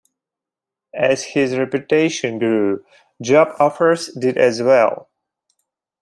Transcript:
As his reputation grew, job offers did as well.